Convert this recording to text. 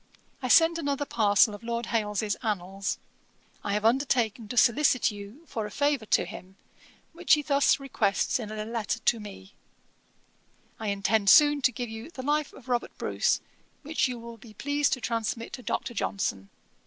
'I send another parcel of Lord Hailes's Annals, I have undertaken to solicit you for a favour to him, which he thus requests in a letter to me: "I intend soon to give you The Life of Robert Bruce, which you will be pleased to transmit to Dr. Johnson.